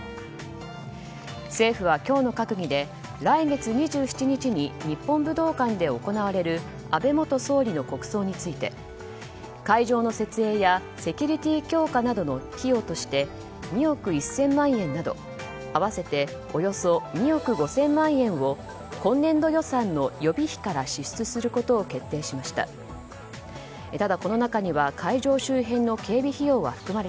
政府は今日の閣議で来月２７日に日本武道館で行われる安倍元総理の国葬について会場の設営やセキュリティー強化などの費用として２億１０００万円など合わせておよそ２億５０００万円を今年度予算の予備費から支出することを決定しました。